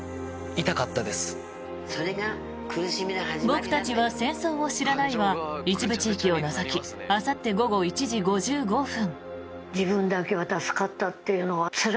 「僕たちは戦争を知らない」は一部地域を除きあさって午後１時５５分。